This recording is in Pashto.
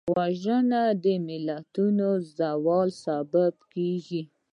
وژنه د ملتونو د زوال سبب کېږي